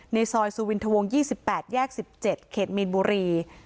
ซอยสุวินทวง๒๘แยก๑๗เขตมีนบุรี